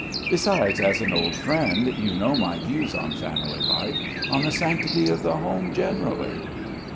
Besides, as an old friend, you know my views on family life ... on the sanctity of the home, generally."